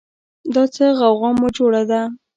دا څه غوغا مو جوړه ده